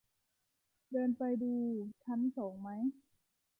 เดินไปดูชั้นสองไหม